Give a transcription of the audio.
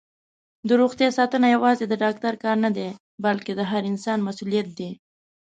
دروغتیا ساتنه یوازې د ډاکټر کار نه دی، بلکې د هر انسان مسؤلیت دی.